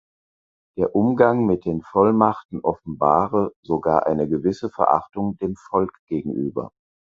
Der Umgang mit den Vollmachten offenbare sogar eine gewisse Verachtung dem Volk gegenüber.